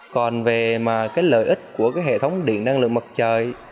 còn về lợi ích của hệ thống điện năng lượng mặt trời